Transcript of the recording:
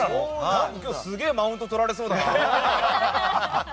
すげえマウント取られそうだな。